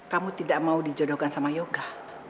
kamu tidak mau dijodohkan sama yoga